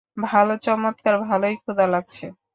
ভালো, চমৎকার, ভালোই ক্ষুধা লাগছে?